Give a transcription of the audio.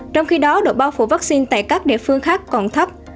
trong khi đó độ bao phủ vaccine tại các địa phương khác còn thấp